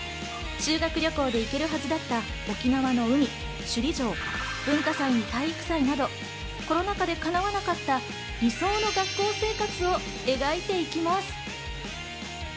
修学旅行でいけるはずだった沖縄の海、首里城、文化祭に体育祭などコロナ禍でかなわなかった理想の学校生活を描いていきます。